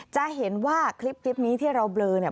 จะเห็นว่าคลิปนี้ที่เราเบลอเนี่ย